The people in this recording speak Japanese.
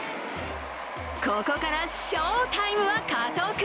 ここから翔タイムは加速。